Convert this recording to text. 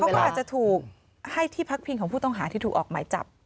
เขาก็อาจจะถูกให้ที่พักพิงของผู้ต้องหาที่ถูกออกหมายจับ